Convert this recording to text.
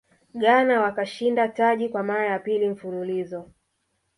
ghana wakashinda taji kwa mara ya pili mfululizo